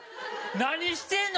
何してんの？